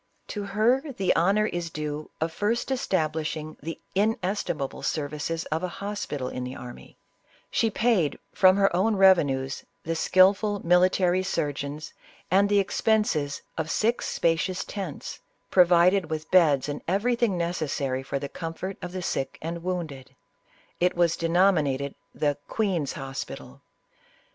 To her the honor is due of first establishing the ines timable services of a hospital in the army ; she paid, from her own revenues, the skillful military surgeons and the expenses of six spacious tents, provided with beds and everything necessary for the comfort of the sick and wounded ; it was denominated the " Queen's Hospital."